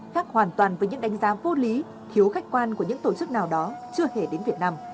khác hoàn toàn với những đánh giá vô lý thiếu khách quan của những tổ chức nào đó chưa hề đến việt nam